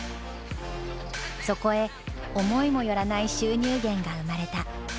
そこへ思いも寄らない収入源が生まれた。